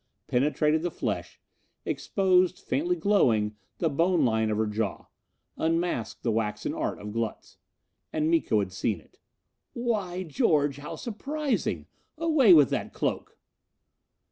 Penetrated the flesh; exposed, faintly glowing, the bone line of her jaw. Unmasked the waxen art of Glutz. And Miko had seen it. "Why George, how surprising! Away with that cloak!"